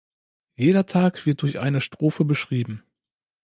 Jeder Tag wird durch eine Strophe beschrieben.